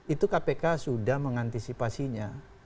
itu kpk sudah mengantisipasinya